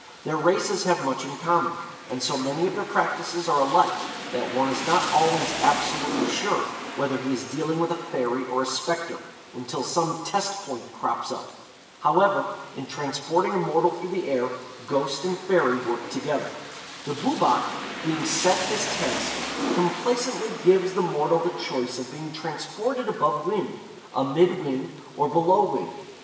Their races have much in common, and so many of their practices are alike that one is not always absolutely sure whether he is dealing with a fairy or a spectre, until some test point crops up. However, in transporting a mortal through the air, ghost and fairy work together. The Boobach being set his task, complaisantly gives the mortal the choice of being transported above wind, amid wind, or below wind.